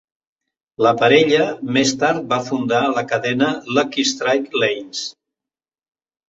La parella més tard va fundar la cadena Lucky Strike Lanes.